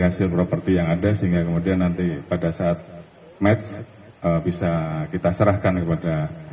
hasil properti yang ada sehingga kemudian nanti pada saat match bisa kita serahkan kepada